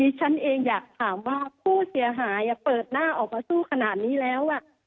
ฉันเองอยากถามว่าผู้เสียหายเปิดหน้าออกมาสู้ขนาดนี้แล้ว